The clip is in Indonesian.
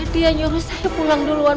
dia nyuruh saya pulang duluan